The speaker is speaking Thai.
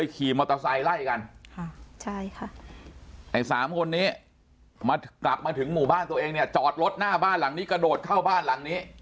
กลับมาถึงหมู่บ้านตัวเองเนี่ยจอดรถหน้าบ้านหลังกระโดดเข้าบ้านหลังนี้